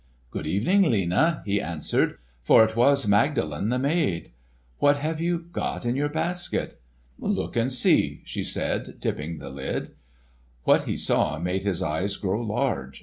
"Good evening, Lena," he answered, for it was Magdalen the maid. "What have you got in your basket?" "Look and see," she said, tipping the lid. What he saw made his eyes grow large.